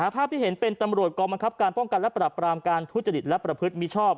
ภาพที่เห็นเป็นตำรวจกองบังคับการป้องกันและปรับปรามการทุจริตและประพฤติมิชอบ